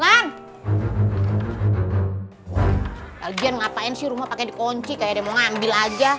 lagi lagi ngapain sih rumah pake dikunci kayak ada yang mau ngambil aja